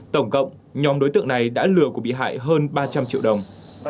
tổng cộng nhóm đối tượng này đã lừa của bị hại hơn ba trăm linh triệu đồng